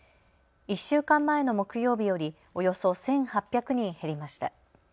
１週間前の木曜日よりおよそ１８００人減りました。